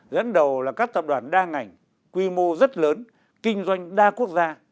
dẫn đầu là các tập đoàn đa ngành quy mô rất lớn kinh doanh đa quốc gia